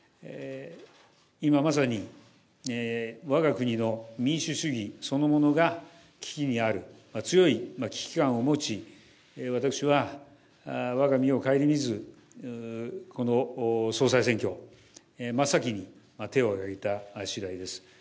今まさに、わが国の民主主義そのものが危機にある、強い危機感を持ち、私はわが身をかえりみず、この総裁選挙、真っ先に手を挙げたしだいです。